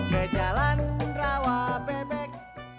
kejalan rawa bebek